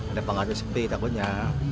ada pengaturan sepi takutnya